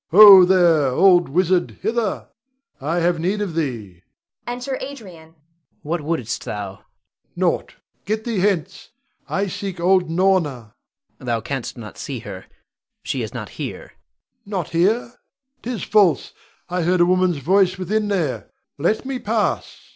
Ho, there! old wizard, hither! I have need of thee! [Enter Adrian. Adrian. What wouldst thou? Rod. Nought. Get thee hence! I seek old Norna. Adrian. Thou canst not see her; she is not here. Rod. Not here? 'Tis false, I heard a woman's voice within there. Let me pass!